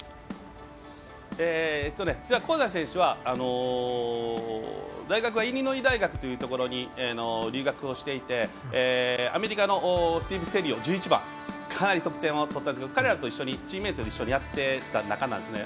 実は香西選手は大学はイリノイ大学というところで留学をしていて、アメリカのスティーブ・セリオ、１１番かなり得点を取ったんですが彼らと一緒にチームメートでやってた仲なんですよね。